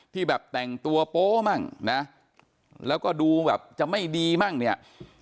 ที่แบบแต่งตัวโป๊มั่งนะแล้วก็ดูแบบจะไม่ดีมั่งเนี่ย